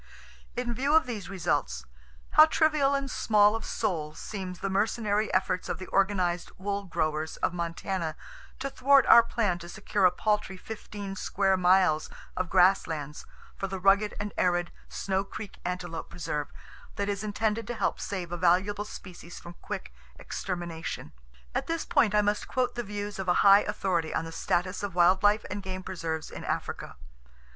In view of these results, how trivial and small of soul seems the mercenary efforts of the organized wool growers of Montana to thwart our plan to secure a paltry fifteen square miles of grass lands for the rugged and arid Snow Creek Antelope Preserve that is intended to help save a valuable species from quick extermination. At this point I must quote the views of a high authority on the status of wild life and game preserves in Africa.